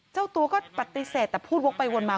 เจ้าตัวก็ปฏิเสธแต่พูดวกไปวนมา